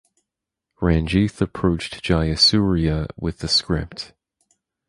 Ranjith approached Jayasurya with the script.